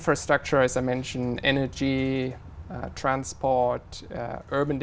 của các thử nghiệm của world bank